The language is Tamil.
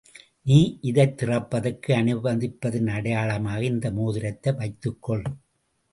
நீ இதைத் திறப்பதற்கு அனுமதிப்பதன் அடையாளமாக இந்த மோதிரத்தை வைத்துக் கொள்.